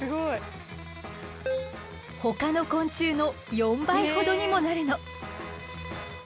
ほかの昆虫の４倍ほどにもなるの！